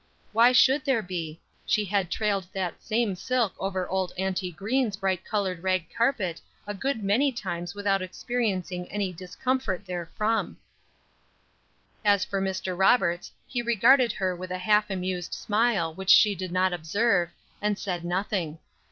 Why should there be? She had trailed that same silk over old Auntie Green's bright colored rag carpet a good many times without experiencing any discomfort therefrom. As for Mr. Roberts, he regarded her with a half amused smile which she did not observe, and said nothing.